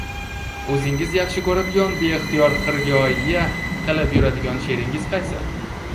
– O‘zingiz yaxshi ko‘radigan, beixtiyor xirgoyi qilib yuradigan she’ringiz qaysi?